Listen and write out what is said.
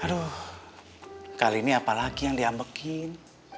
aduh kali ini apalagi yang diambekin